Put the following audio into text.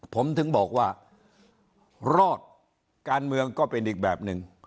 ผมถึงบอกว่ารอดการเมืองก็เป็นอีกแบบหนึ่ง